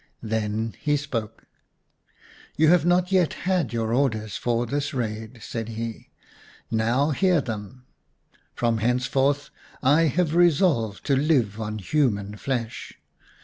Then he spoke. "You have not yet had your orders for this raid," said he. " Now, hear them ! From henceforth I have resolved to live on human flesh.